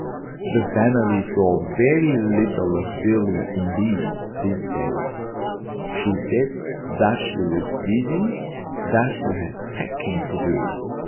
The family saw very little of Billy, indeed, these days. She said that she was busy; that she had packing to do.